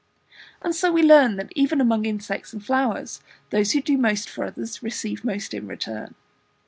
And so we learn that even among insects and flowers, those who do most for others, receive most in return.